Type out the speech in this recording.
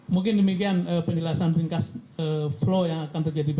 mungkin demikian penjelasan ringkas flow yang akan terjadi